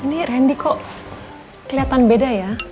ini randi kok keliatan beda ya